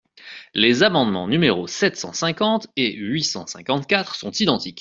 Les amendements numéros sept cent cinquante et huit cent cinquante-quatre sont identiques.